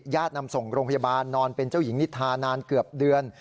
นำส่งโรงพยาบาลนอนเป็นเจ้าหญิงนิทานานเกือบเดือน